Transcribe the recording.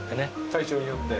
体調によって。